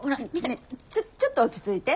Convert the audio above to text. ねえちょっと落ち着いて。